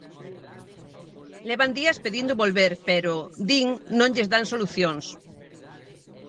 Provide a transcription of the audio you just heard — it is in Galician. Levan días pedindo volver pero, din, non lles dan solucións.